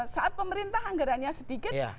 saat pemerintah anggarannya sedikit